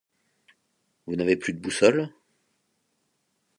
Vous n’avez plus de boussole ?